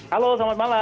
halo selamat malam